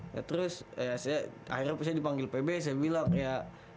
ya terus akhirnya saya dipanggil pb saya bilang ya